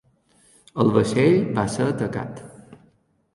El vaixell va ser atacat.